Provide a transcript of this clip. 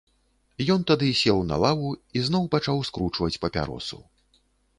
Ён тады сеў на лаву і зноў пачаў скручваць папяросу.